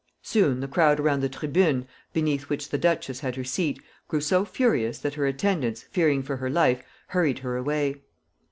Soon the crowd around the tribune, beneath which the duchess had her seat, grew so furious that her attendants, fearing for her life, hurried her away.